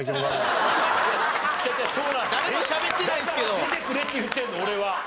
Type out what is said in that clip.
だから出てくれって言ってんの俺は。